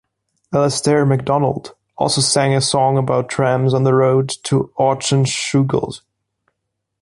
Alastair McDonald also sang a song about trams on the road to Auchenshoogle.